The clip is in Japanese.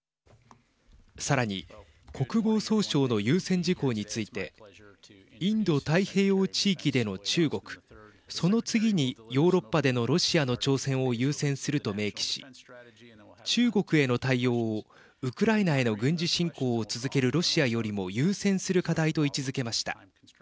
さらに国防総省の優先事項についてインド太平洋地域での中国その次にヨーロッパでのロシアの挑戦を優先すると明記し中国への対応をウクライナへの軍事侵攻を続けるロシアよりも優先する課題と位置づけました。